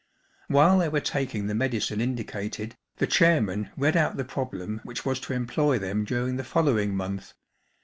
While they were taking the medicine indicated, the chairman read out the problem which was to employ them during the following month.